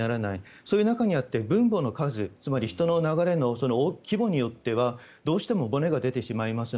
そういう中にあって分母の数つまり人の流れの規模によってはどうしても漏れが出てしまいます。